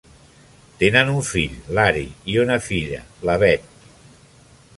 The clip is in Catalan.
Tenen un fill, l'Ari, i una filla, la Beth.